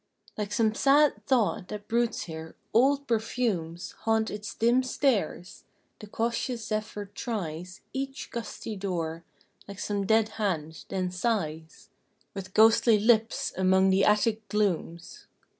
Like some sad thought that broods here, old perfumes Haunt its dim stairs; the cautious zephyr tries Each gusty door, like some dead hand, then sighs With ghostly lips among the attic glooms.